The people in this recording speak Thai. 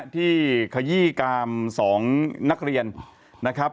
ขยี้กาม๒นักเรียนนะครับ